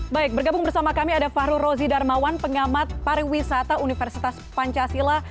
baik bergabung bersama kami ada fahru rozi darmawan pengamat pariwisata universitas pancasila